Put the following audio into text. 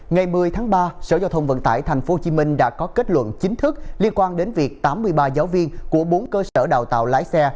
ngày một mươi tháng ba sở giao thông vận tải tp hcm đã có kết luận chính thức liên quan đến việc tám mươi ba giáo viên của bốn cơ sở đào tạo lái xe